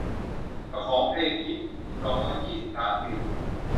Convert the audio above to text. เจ้าของเพลงฮิต สองร้อยยี่สิบ ล้านวิว